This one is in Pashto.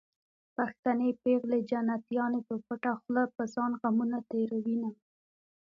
پښتنې پېغلې جنتيانې په پټه خوله په ځان غمونه تېروينه